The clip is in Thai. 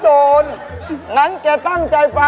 ไม่มีอะไรของเราเล่าส่วนฟังครับพี่